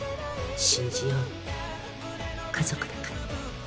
信じようって家族だから。